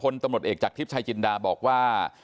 ตำรวจเอกจากทริปชายจินดาบอกว่า